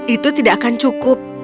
itu tidak akan cukup